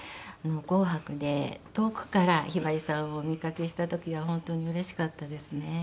『紅白』で遠くからひばりさんをお見かけした時は本当にうれしかったですね。